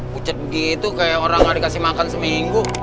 pucat begitu kayak orang gak dikasih makan seminggu